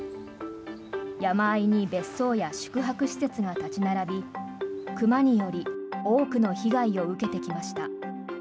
山あいに別荘や宿泊施設が立ち並び熊により多くの被害を受けてきました。